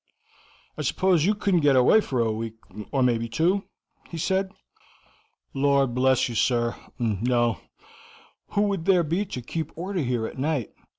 "I suppose you couldn't get away for a week, or maybe two?" he said. "Lor' bless you, no, sir. Who would there be to keep order here at night?